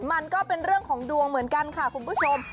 มันก็เป็นเรื่องของดวงเหมือนกันค่ะคุณผู้ชม